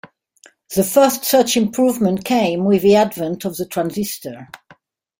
The first such improvement came with the advent of the transistor.